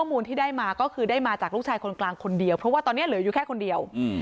ข้อมูลที่ได้มาก็คือได้มาจากลูกชายคนกลางคนเดียวเพราะว่าตอนนี้เหลืออยู่แค่คนเดียว